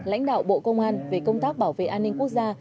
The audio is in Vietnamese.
lãnh đạo bộ công an về công tác bảo vệ an ninh quốc gia